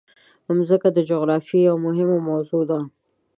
مځکه د جغرافیې یوه مهمه موضوع ده.